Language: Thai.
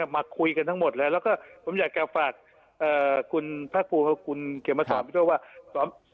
มาคุยกันทั้งหมดแล้วแล้วก็ผมอยากกลับฝากคุณพระคุณเขียนมาสอบ